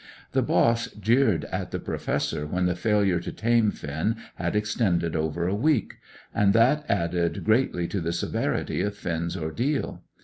The boss jeered at the Professor when the failure to tame Finn had extended over a week; and that added greatly to the severity of Finn's ordeal.